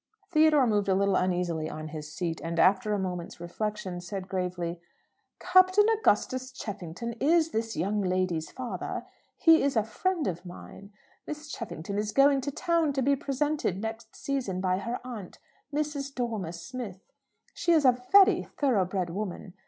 Theodore moved a little uneasily on his seat, and, after a moment's reflection, said gravely, "Captain Augustus Cheffington is this young lady's father; he is a friend of mine. Miss Cheffington is going to town to be presented next season by her aunt, Mrs. Dormer Smith. She is a very thoroughbred woman.